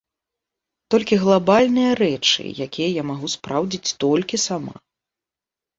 Толькі глабальныя рэчы, якія я магу спраўдзіць толькі сама.